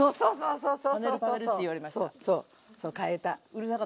そうよそう。